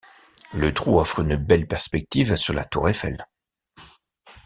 Le trou offre une belle perspective sur la tour Eiffel.